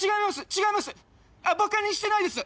違いますあっバカにしてないです